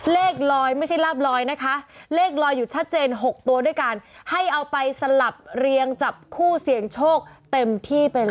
เลขลอยไม่ใช่ลาบลอยนะคะเลขลอยอยู่ชัดเจน๖ตัวด้วยกันให้เอาไปสลับเรียงจับคู่เสี่ยงโชคเต็มที่ไปเลย